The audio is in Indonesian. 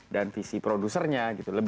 dan visi produsernya gitu